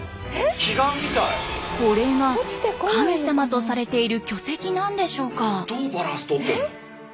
これが神様とされている巨石なんでしょうか？